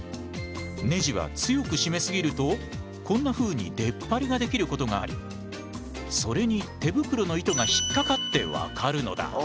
ネジは強く締め過ぎるとこんなふうに出っ張りができることがありそれに手袋の糸が引っかかって分かるのだ。